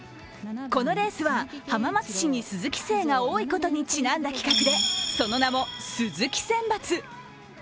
このレースは浜松市に鈴木姓が多いことにちなんだ企画でその名も、鈴木選抜。